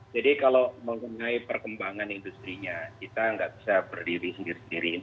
jadi kalau mengenai perkembangan industri nya kita nggak bisa berdiri sendiri sendiri